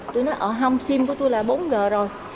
tôi nói à không sim của tôi là bốn g rồi